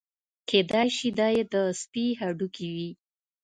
کېدای شي دا یې د سپي هډوکي وي.